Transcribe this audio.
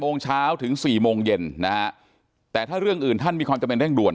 ๘โมงเช้าถึง๑๖๐๐นะฮะถ้าเรื่องอื่นท่านมีความทรรมเร่งด่วน